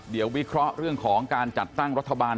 เดี๋ยววิเคราะห์เรื่องของการจัดตั้งรัฐบาล